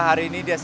kejahatan yang baik